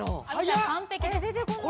完璧です